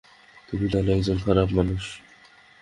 তুমি তাহলে একজন খারাপ মানুষ?